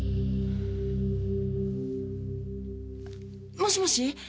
もしもし？